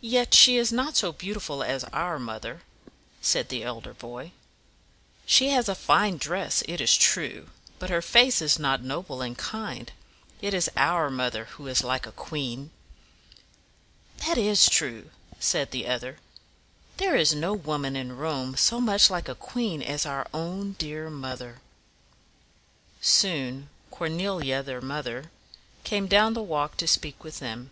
"Yet she is not so beautiful as our mother," said the elder boy. "She has a fine dress, it is true; but her face is not noble and kind. It is our mother who is like a queen." "That is true," said the other. "There is no woman in Rome so much like a queen as our own dear mother." Soon Cor ne´li a, their mother, came down the walk to speak with them.